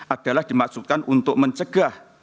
adalah dimaksudkan untuk mencegah